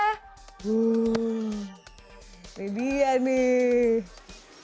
ini dia nih